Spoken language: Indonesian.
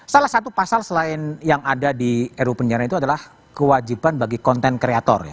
salah satu pasal selain yang ada di ru penjara itu adalah kewajiban bagi konten kreator ya